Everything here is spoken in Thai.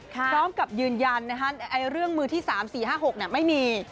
พร้อมกับยืนยันเรื่องมือที่๓๔๕๖ไม่มี